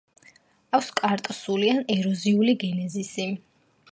აქვს კარსტული ან ეროზიული გენეზისი.